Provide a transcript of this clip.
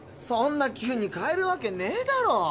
そんな急に買えるわけねえだろ。